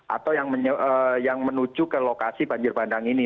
atau yang menuju ke lokasi banjir bandang ini